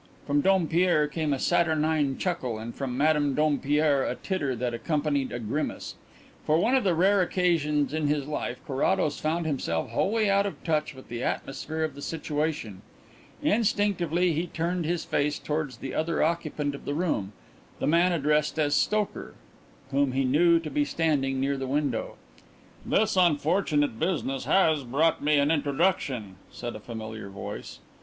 From Dompierre came a saturnine chuckle and from Madame Dompierre a titter that accompanied a grimace. For one of the rare occasions in his life Carrados found himself wholly out of touch with the atmosphere of the situation. Instinctively he turned his face towards the other occupant of the room, the man addressed as "Stoker," whom he knew to be standing near the window. "This unfortunate business has brought me an introduction," said a familiar voice.